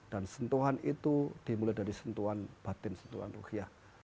dan sentuhan itu dimulai dari batin sentuhan rohya